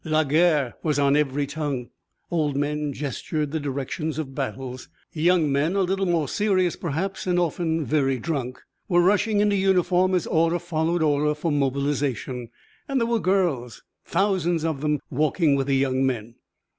"La guerre" was on every tongue. Old men gestured the directions of battles. Young men, a little more serious perhaps, and often very drunk, were rushing into uniform as order followed order for mobilization. And there were girls, thousands of them, walking with the young men.